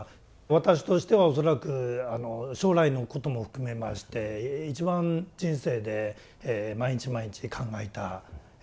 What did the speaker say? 私としては恐らく将来のことも含めまして一番人生で毎日毎日で考えた悩んだ時期かなと思います。